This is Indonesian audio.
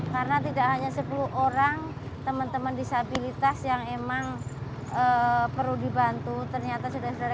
karena tidak hanya sepuluh orang teman teman disabilitas yang emang perlu dibantu ternyata sudah